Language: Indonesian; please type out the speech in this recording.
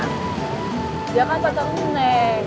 dia kan pacar muneh